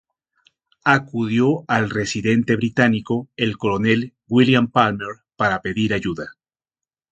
Acudió al residente británico, el coronel William Palmer, para pedir ayuda.